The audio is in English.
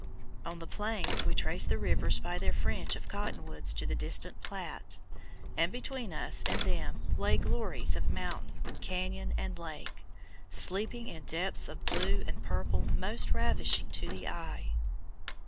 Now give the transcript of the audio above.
On the Plains we traced the rivers by their fringe of cottonwoods to the distant Platte, and between us and them lay glories of mountain, canyon, and lake, sleeping in depths of blue and purple most ravishing to the eye.